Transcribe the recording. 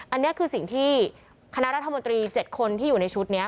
อันนี้คือสิ่งที่คณะรัฐมนตรี๗คนที่อยู่ในชุดนี้